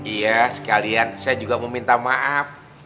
iya sekalian saya juga mau minta maaf